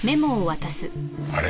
あれ？